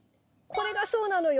これがそうなのよ。